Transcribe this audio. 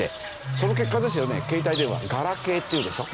その結果ですよね携帯電話ガラケーっていうでしょ？